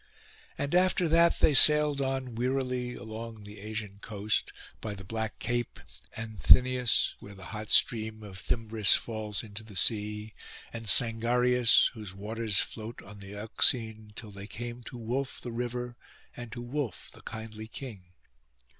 And after that they sailed on wearily along the Asian coast, by the Black Cape and Thyneis, where the hot stream of Thymbris falls into the sea, and Sangarius, whose waters float on the Euxine, till they came to Wolf the river, and to Wolf the kindly king.